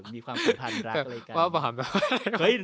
มีความสัมพันธ์รักอะไรอย่างนี้